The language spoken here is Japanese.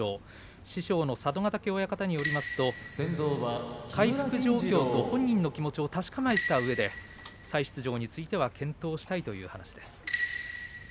師匠の佐渡ヶ嶽親方によりますと回復状況と本人の状況を確かめたうえで本人の気持ちを確かめたうえで再出場については検討したいということです。